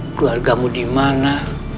keluargamu di mana